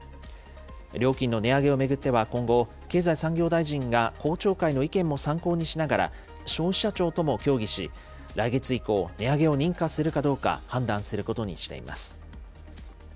料金の値上げを巡っては今後、経済産業大臣が公聴会の意見も参考にしながら、消費者庁とも協議し、来月以降、値上げを認可するかどうか判断することにしています。